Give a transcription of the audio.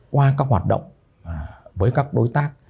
qua các hoạt động với các đối tác